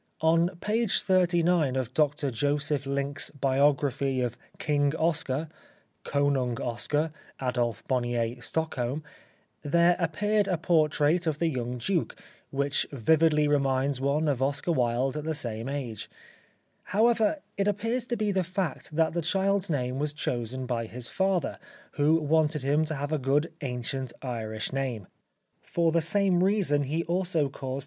On page 39 of Dr Josef Linck's biography of '' King Oscar" (" Konung Oscar/' Adolf Bonnier, Stockholm) there appeared a portrait of the young duke, which vividly reminds one of Oscar Wilde at the same age. However, it appears to be the fact that the child's name was chosen by his father, who wanted him to have a good ancient Irish name. For the same reason he also caused his son to 84 >»♦ .t*< ^ fl'.oto Ui Elliot i Frij.